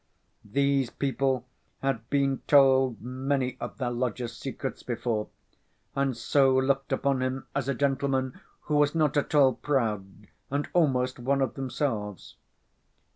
These people had been told many of their lodger's secrets before, and so looked upon him as a gentleman who was not at all proud, and almost one of themselves.